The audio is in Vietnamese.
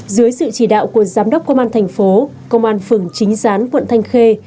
dưới sự chỉ đạo của giám đốc công an thành phố công an phường chính gián quận thanh khê